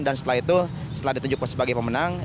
dan setelah itu setelah ditunjukkan sebagai pemenang